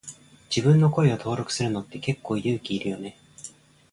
自分の声を登録するのって結構勇気いるよね。